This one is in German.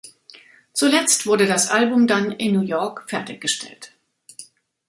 Zuletzt wurde das Album dann in New York fertiggestellt.